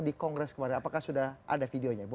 di kongres kemarin apakah sudah ada videonya